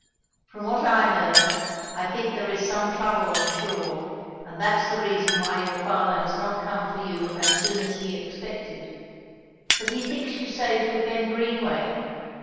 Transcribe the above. "From what I heard, I think there is some trouble on shore, and that's the reason why your father has not come for you as soon as he expected. But he thinks you safe with Ben Greenway.